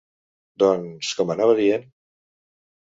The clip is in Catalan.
Doncs, com anava dient.